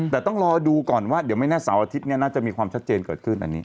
แต่ต้องรอดูก่อนว่าเดี๋ยวไม่แน่เสาร์อาทิตย์น่าจะมีความชัดเจนเกิดขึ้นอันนี้